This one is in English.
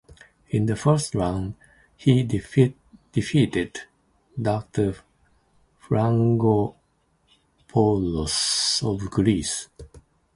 In the first round, he defeated D. Frangopoulos of Greece.